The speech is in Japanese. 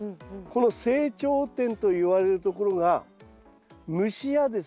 この成長点といわれるところが虫やですね